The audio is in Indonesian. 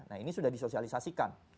nah ini sudah disosialisasikan